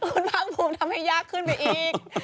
คุณภาคภูมิทำให้ยากขึ้นไปอีก